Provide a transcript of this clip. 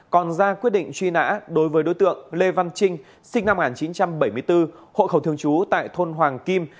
còn ra quyết định truy nã đối với đối tượng lê văn trinh sinh năm một nghìn chín trăm bảy mươi bốn hộ khẩu thường trú tại thôn hoàng kim